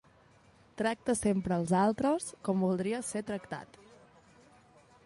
Tracta sempre els altres com voldries ser tractat.